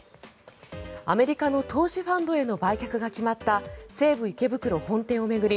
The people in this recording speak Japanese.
アメリカの投資ファンドへの売却が決まった西武池袋本店を巡り